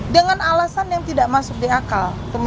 dengan alasan yang tidak masuk di akal